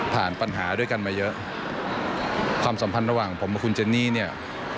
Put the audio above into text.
ปัญหาด้วยกันมาเยอะความสัมพันธ์ระหว่างผมกับคุณเจนี่เนี่ย